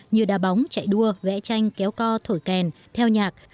như đa bóng chạy đua vẽ tranh kéo co thổi kèn theo nhạc